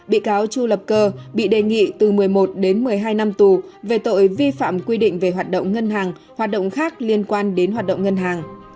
bị cáo chu lập cơ bị đề nghị từ một mươi một đến một mươi hai năm tù về tội vi phạm quy định về hoạt động ngân hàng hoạt động khác liên quan đến hoạt động ngân hàng